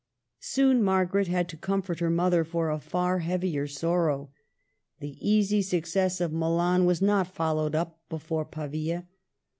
Soon Margaret had to comfort her mother for a far heavier sorrow. The easy success of Milan was not followed up before Pavia.